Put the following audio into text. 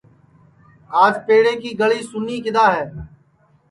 آج پیڑے کی گݪی سُنی کِدؔا ہے